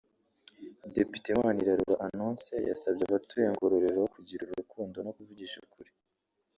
Depite Manirarora Annoncée yasabye abatuye Ngororero kugira urukundo no kuvugisha ukuri